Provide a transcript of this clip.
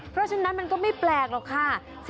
เพราะฉะนั้นมันก็ไม่แปลกหรอกค่ะ